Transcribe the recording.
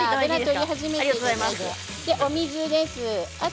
お水です。